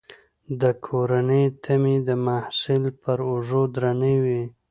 د کورنۍ تمې د محصل پر اوږو درنې وي.